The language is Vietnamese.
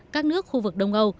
các nước khu vực đông âu